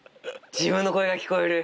自分の声が聞こえる！